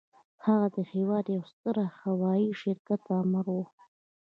هغه د هېواد د يوه ستر هوايي شرکت آمر و.